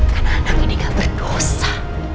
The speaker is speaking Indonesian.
karena anak ini gak berdosa